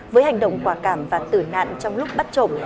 với hành động quả cảm và tử nạn trong lúc bắt trộm